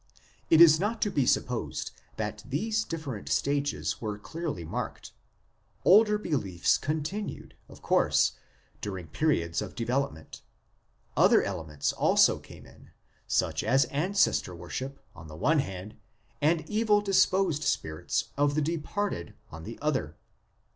It is not to be supposed that these different stages were clearly marked; older beliefs continued, of course, during periods of development, other elements also came in, such as Ancestor worship on the one hand, and evil disposed spirits of the departed on the other.